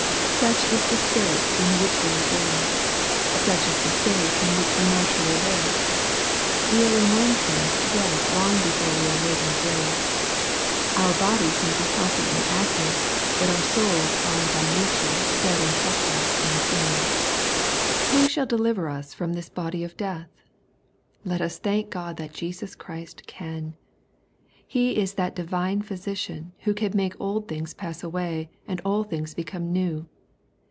Such is the state in which we are born. Such is the state in which we naturally Uve.. We are in one sense dead long before we are laid in the grave. Our bodies may be healthy and active, but oui souls are by nature dead in trespasses and sins. LUKE, CHAP. V. 137 Who shall deliver us from this body of death ? Let Qs thank God that Jesus Christ can. He is that divine Physician, who can make old things pass away and all things become new.